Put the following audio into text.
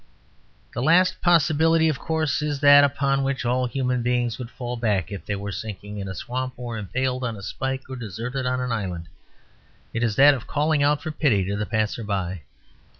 The last possibility, of course, is that upon which all human beings would fall back if they were sinking in a swamp or impaled on a spike or deserted on an island. It is that of calling out for pity to the passerby.